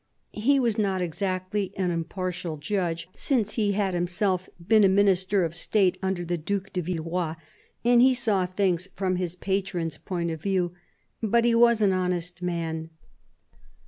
He was not exactly an impartial judge, since he had himself been a Minister of State under the Due de Villeroy, and he saw things from his patron's point of view. But he was an honest man.